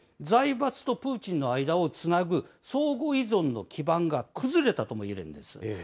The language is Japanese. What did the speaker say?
財閥とプーチンの間をつなぐ相互依存の基盤が崩れたともいえるんですね。